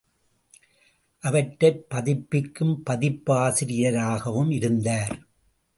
அவற்றைப் பதிப்பிக்கும் பதிப்பாசிரியராகவும் இருந்தார்!